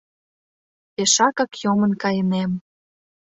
Пешакак йомын кайынем...